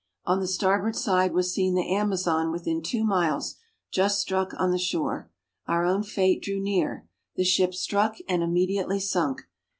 On the starboard side was seen the Amazon within two miles, just struck on the shore. Our own fate drew near. The ship struck and immediately sunk!